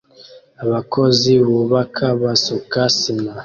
Abakozi bubaka basuka sima